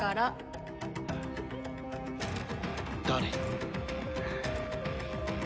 誰？